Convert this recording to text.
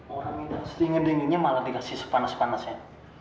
orang minta setinggan dinginnya malah dikasih sepanas panas ya